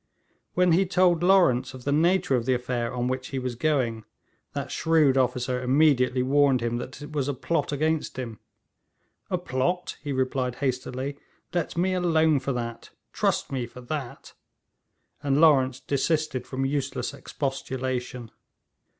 When he told Lawrence of the nature of the affair on which he was going, that shrewd officer immediately warned him that it was a plot against him. 'A plot!' he replied hastily, 'let me alone for that; trust me for that!' and Lawrence desisted from useless expostulation.